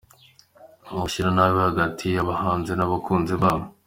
Ubushyamirane hagati yabahanzi nabakunzi babo